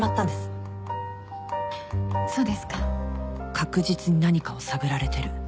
確実に何かを探られてる